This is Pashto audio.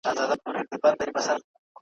زخمي غیرت به مي طبیبه درمل څنګه مني ,